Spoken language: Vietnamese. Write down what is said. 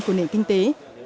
của nền kinh tế